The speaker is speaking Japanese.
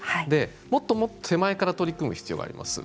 もっともっと手前から取り組む必要があります。